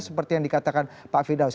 seperti yang dikatakan pak fidaus